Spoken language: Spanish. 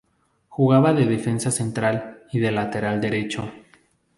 Jugaba de defensa central y de lateral derecho.